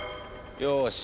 よし。